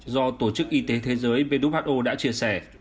do tổ chức y tế thế giới who đã chia sẻ